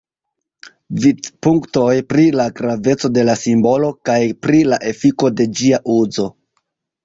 Vidpunktoj pri la graveco de la simbolo kaj pri la efiko de ĝia uzo.